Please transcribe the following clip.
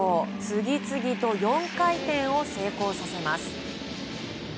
次々と４回転を成功させます。